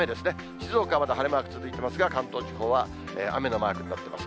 静岡はまだ晴れマーク続いてますが、関東地方は雨のマークになってます。